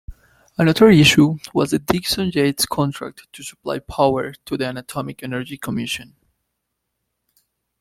Another issue was the Dixon-Yates contract to supply power to the Atomic Energy Commission.